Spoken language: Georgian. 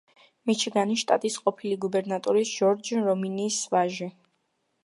მიჩიგანის შტატის ყოფილი გუბერნატორის ჯორჯ რომნის ვაჟი.